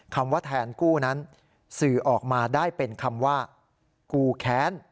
คำว่าแทนกู้นั้นสื่อออกมาได้เป็นคำว่ากูแค้น